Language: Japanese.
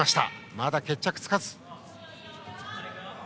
まだ決着がつかず。